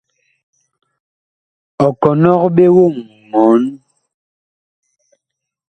Ɔ kɔnɔg ɓe woŋ mɔɔn.